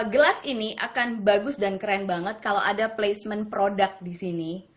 gelas ini akan bagus dan keren banget kalau ada placement product di sini